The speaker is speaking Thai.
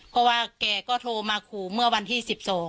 เพราะว่าแกก็โทรมาขู่เมื่อวันที่๑๒